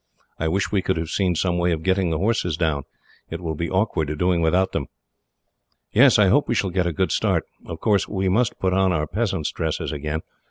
I wish we could have seen some way of getting the horses down. It will be awkward doing without them." "Yes. I hope we shall get a good start. Of course, we must put on our peasant's dresses again.